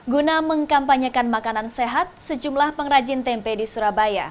guna mengkampanyekan makanan sehat sejumlah pengrajin tempe di surabaya